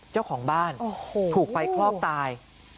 เจ้าของบ้านถูกไฟคลอกตาย